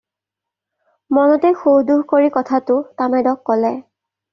মনতে খুঁহ-ধুঁহ কৰি কথাটো তামেদক ক'লে।